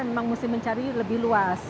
memang mesti mencari lebih luas